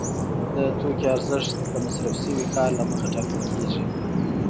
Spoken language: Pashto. د توکي ارزښت د مصرف شوي کار له مخې ټاکل کېږي